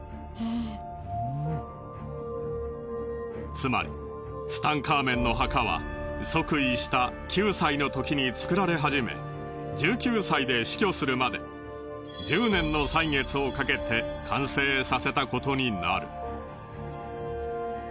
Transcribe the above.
つまりツタンカーメンの墓は即位した９歳のときに造られ始め１９歳で死去するまで１０年の歳月をかけて完成させたことになる。